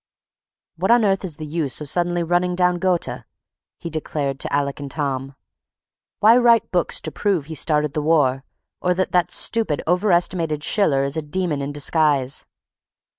"What on earth is the use of suddenly running down Goethe," he declared to Alec and Tom. "Why write books to prove he started the war—or that that stupid, overestimated Schiller is a demon in disguise?"